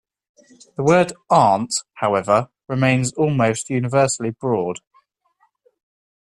The word "aunt", however, remains almost universally broad.